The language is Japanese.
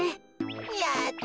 やった！